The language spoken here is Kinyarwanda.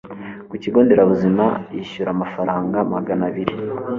ku kigo nderabuzima yishyura amafaranga magana abiri